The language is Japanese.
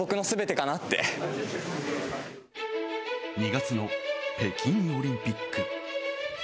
２月の北京オリンピック。